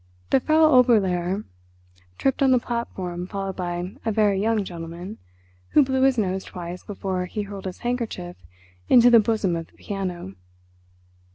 The Frau Oberlehrer tripped on the platform followed by a very young gentleman, who blew his nose twice before he hurled his handkerchief into the bosom of the piano.